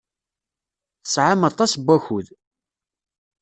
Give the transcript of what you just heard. Tesɛam aṭas n wakud.